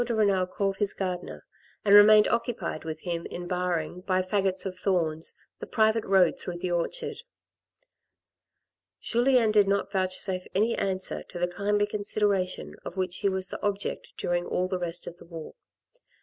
de Renal called his gardener, and remained occupied with him in barring by faggots of thorns the private road through the orchard. Julien did not vouchsafe any answer to the kindly consideration of which he was the object during all the rest of the walk. M.